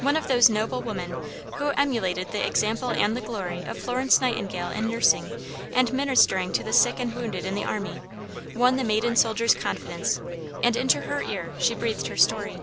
One of those noble women, who emulated the example and the glory of Florence Nightingale in nursing and ministering to the sick and wounded in the army, won the maiden soldier's confidence, and into her ear she breathed her story.